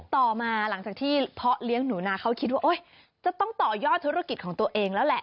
ต่อมาหลังจากที่เพาะเลี้ยงหนูนาเขาคิดว่าจะต้องต่อยอดธุรกิจของตัวเองแล้วแหละ